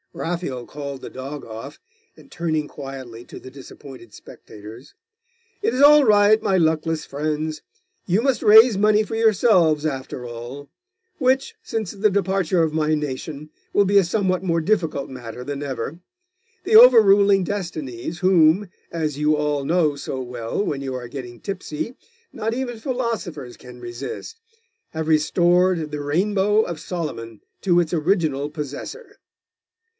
Raphael called the dog off, and turning quietly to the disappointed spectators 'It is all right, my luckless friends. You must raise money for yourselves, after all; which, since the departure of my nation, will be a somewhat more difficult matter than ever. The over ruling destinies, whom, as you all know so well when you are getting tipsy, not even philosophers can resist, have restored the Rainbow of Solomon to its original possessor.